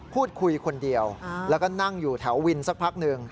พูดคุยคนเดียวแล้วก็นั่งอยู่แถววินสักพักหนึ่ง